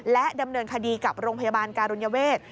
และดำเนินคดีกับโรงพยาบาลการุญเวท